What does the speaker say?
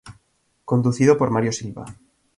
Conducido por Mario Silva.